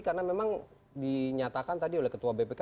karena memang dinyatakan tadi oleh ketua bpk